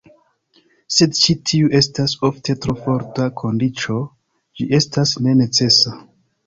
Sed ĉi tiu estas ofte tro forta kondiĉo, ĝi estas ne "necesa".